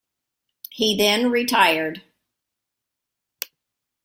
He then retired.